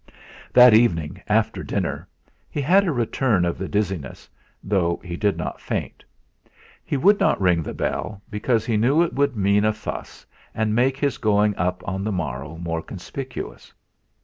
That evening after dinner he had a return of the dizziness, though he did not faint. He would not ring the bell, because he knew it would mean a fuss, and make his going up on the morrow more conspicuous.